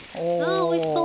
あおいしそう！